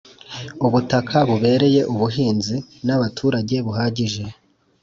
Ubutaka bubereye ubuhinzi n abaturage bahagije